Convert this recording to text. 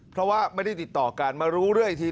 เพราะว่าไม่ได้ติดต่อกันมารู้เรื่องอีกที